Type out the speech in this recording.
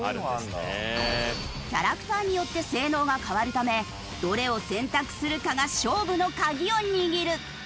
キャラクターによって性能が変わるためどれを選択するかが勝負のカギを握る。